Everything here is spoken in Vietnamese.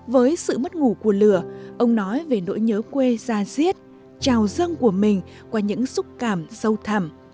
với sự mất ngủ của lửa ông nói về nỗi nhớ quê ra diết trao dâng của mình qua những xúc cảm sâu thẳm